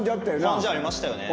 感じありましたよね。